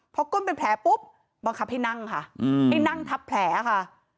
พอก้นเป็นแผลปุ๊บบังคับให้นั่งค่ะให้นั่งทับแผลค่ะ